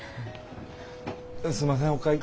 すんませんお会計。